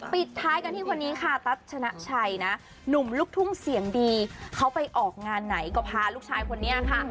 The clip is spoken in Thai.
ปิดท้ายกันที่คนนี้ค่ะตั๊ชนะชัยนะหนุ่มลูกทุ่งเสียงดีเขาไปออกงานไหนก็พาลูกชายคนนี้ค่ะ